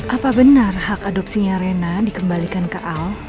apa benar hak adopsinya rena dikembalikan ke al